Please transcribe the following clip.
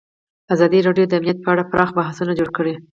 ازادي راډیو د امنیت په اړه پراخ بحثونه جوړ کړي.